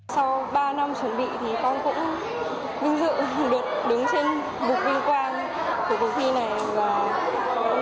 sau ba năm chuẩn bị thì con cũng vinh dự được đứng trên mục vinh quang của cuộc thi này